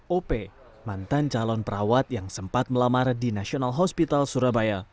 op mantan calon perawat yang sempat melamar di national hospital surabaya